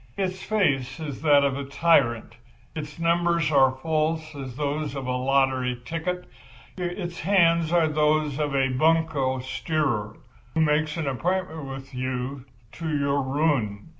Its face is that of a tyrant, its numbers are false as those on a lottery ticket; its hands are those of a bunco steerer, who makes an appointment with you to your ruin.